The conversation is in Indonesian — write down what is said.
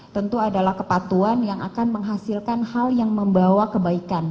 tentu adalah kepatuan yang akan menghasilkan hal yang membawa kebaikan